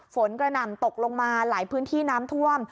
กระหน่ำตกลงมาหลายพื้นที่น้ำท่วม